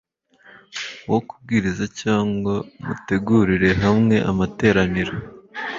wo kubwiriza cyangwa mutegurire hamwe amateraniro